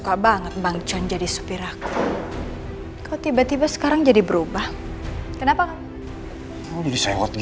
kata bang john kamu ketemu sama dewi di jalanan